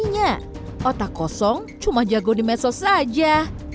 maksudnya otak kosong cuma jago di mesos aja